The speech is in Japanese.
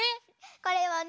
これはね